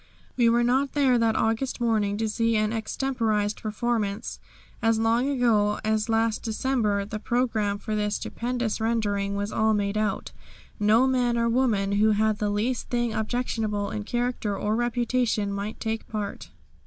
We were not there that August morning to see an extemporised performance. As long ago as last December the programme for this stupendous rendering was all made out. No man or woman who had the least thing objectionable in character or reputation might take part.